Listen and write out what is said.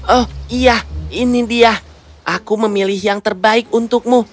oh iya ini dia aku memilih yang terbaik untukmu